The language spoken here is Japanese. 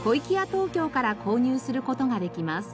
東京から購入する事ができます。